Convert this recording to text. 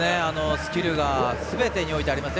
スキルがすべてにおいてありますね。